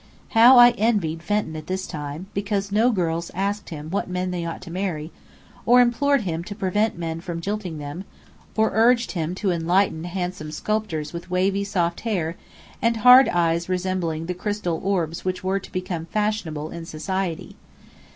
How I envied Fenton at this time, because no girls asked him what men they ought to marry; or implored him to prevent men from jilting them; or urged him to enlighten handsome sculptors with wavy, soft hair, and hard eyes resembling the crystal orbs which were to become fashionable in Society!